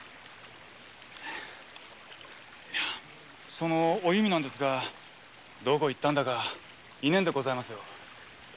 そのお弓なんですがどこ行ったかいねぇんでございます。